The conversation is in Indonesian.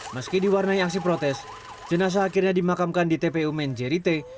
meski diwarnai aksi protes jenazah akhirnya dimakamkan di tpu menjerite